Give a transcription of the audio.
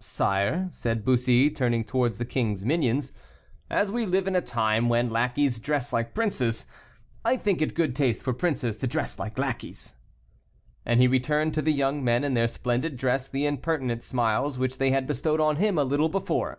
"Sire," said Bussy, turning towards the kings' minions, "as we live in a time when lackeys dress like princes, I think it good taste for princes to dress like lackeys." And he returned to the young men in their splendid dress the impertinent smiles which they had bestowed on him a little before.